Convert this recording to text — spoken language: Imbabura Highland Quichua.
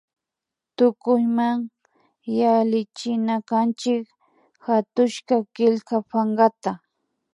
Tukuyma yallichinakanchik hatushka killka pankata